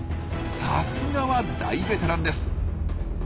さすがは大ベテランです。